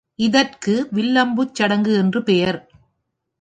இதற்கு வில்லம்புச் சடங்கு என்று பெயர்.